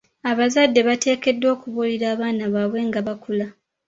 Abazadde bateekeddwa okubuulirira abaana baabwe nga bakula.